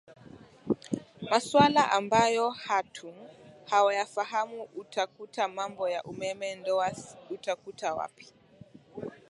masuala ambayo hatu hawayafahamu utakuta mambo ya umeme ndoas utakuta wapi